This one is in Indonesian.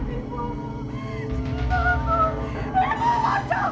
ibu takut ibu pocong